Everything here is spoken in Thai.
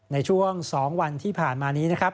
ในช่วง๒วันที่ผ่านมานี้นะครับ